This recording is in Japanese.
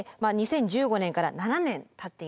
２０１５年から７年たっています。